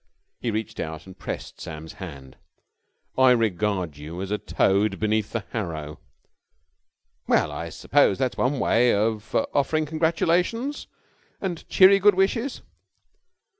He reached out and pressed Sam's hand. "I regard you as a toad beneath the harrow!" "Well, I suppose that's one way of offering congratulations and cheery good wishes."